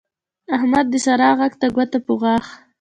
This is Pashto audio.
احمد د سارا غږ ته ګوته په غاښ